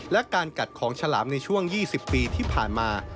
และการกัดของฉลามในช่วง๒๐ปีที่ผ่านมา